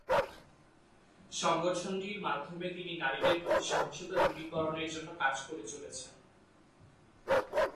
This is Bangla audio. সংগঠনটির মাধ্যমে তিনি নারীদের প্রতি সহিংসতা দূরীকরণের জন্য কাজ করে চলেছেন।